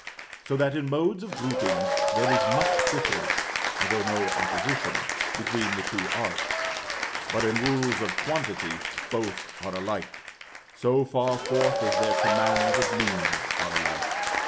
So that in modes of grouping there is much difference (though no opposition) between the two arts; but in rules of quantity, both are alike, so far forth as their commands of means are alike.